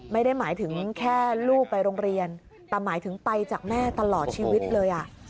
ไม่ได้หมายถึงแค่ลูกไปโรงเรียนแต่หมายถึงไปจากแม่ตลอดชีวิตเลย